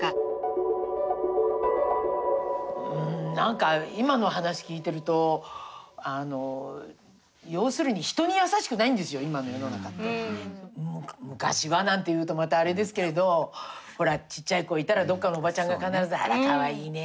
うん何か今の話聞いてると要するに「昔は」なんて言うとまたあれですけどほらちっちゃい子いたらどっかのおばちゃんが必ず「あらかわいいね。